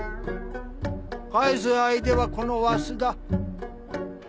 返す相手はこのわしだ。